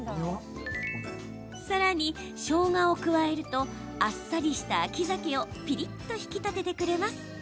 さらに、しょうがを加えるとあっさりした秋ザケをピリっと引き立ててくれます。